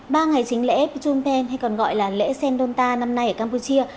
ba ngày chính lễ pichun pen hay còn gọi là lễ sendonta năm nay ở campuchia